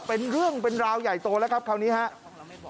เป็นเรื่องเป็นราวใหญ่โตแล้วครับคราวนี้ครับ